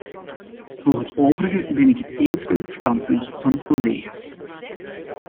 Voor het overige ben ik het eens met het standpunt van de collega's.